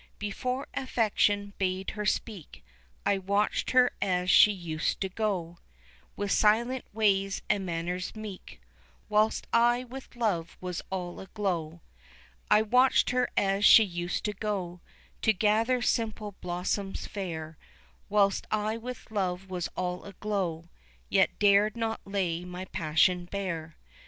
Before affection bade her speak, I watched her as she used to go With silent ways and manners meek, Whilst I with love was all aglow. I watched her as she used to go To gather simple blossoms fair, Whilst I with love was all aglow Yet dared not lay my passion bare.